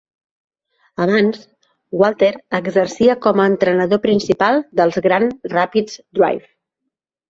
Abans, Walter exercia com a entrenador principal dels Grand Rapids Drive.